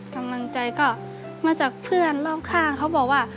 กำลังใจก็มาจากเพื่อนรอบข้างเขาบอกว่า